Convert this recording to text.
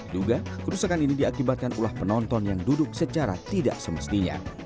duga kerusakan ini diakibatkan ulah penonton yang duduk secara tidak semestinya